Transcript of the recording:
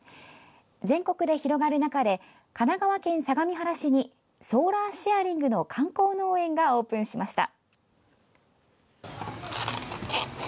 全国で広がる中で神奈川県相模原市にソーラーシェアリングの観光農園がオープンしました。